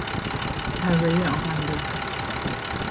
ارهی آهنبر